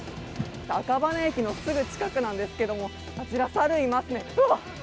赤羽駅のすぐ近くなんですけれども、あちら猿がいますね。